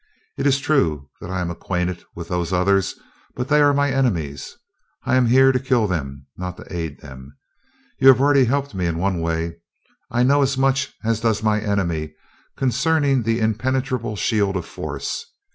It is true that I am acquainted with those others, but they are my enemies. I am here to kill them, not to aid them. You have already helped me in one way I know as much as does my enemy concerning the impenetrable shield of force.